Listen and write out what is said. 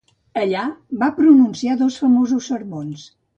Allà va pronunciar dos famosos sermons.